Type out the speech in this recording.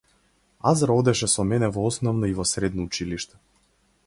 Азра одеше со мене во основно и во средно училиште.